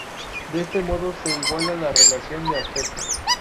De este modo se iguala la relación de aspecto.